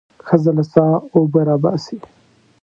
ښځه له څاه اوبه راباسي.